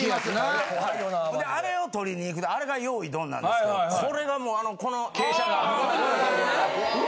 ほんであれを取りに行くあれがヨーイドンなんですけどこれがもうこの傾斜が。え！